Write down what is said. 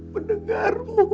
kalau akhirnya mereka tahu